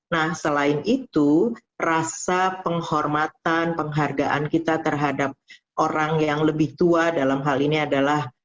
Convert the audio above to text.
nah selain itu rasa penghormatan penghargaan kita terhadap orang yang lebih tua dalam hal ini adalah